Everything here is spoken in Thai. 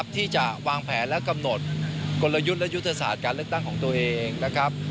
ที่จะวางแผนและกำหนดกลยุทธ์และยุทธศาสตร์การเลือกตั้งของตัวเองนะครับ